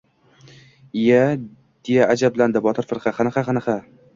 — Iya-iya... — deya ajablandi Botir firqa. — Qanaqa-qanaqa?